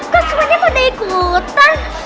kok semuanya mau ikutan